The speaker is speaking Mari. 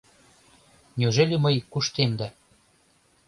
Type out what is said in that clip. Неужели мый куштем да